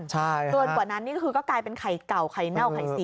เกินกว่านั้นก็กลายเป็นไข่เก่าไข่เน่าไข่เสีย